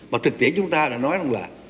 và thực tiễn chúng ta đã nói là